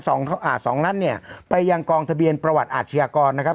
อ่าสองนั้นเนี่ยไปยังกองทะเบียนประวัติอาชญากรนะครับ